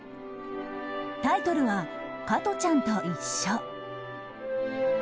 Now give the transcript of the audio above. タイトルは「加トちゃんといっしょ」。